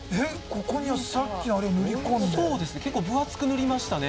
ここにさっきのあれを塗り込んでそうですね結構分厚く塗りましたね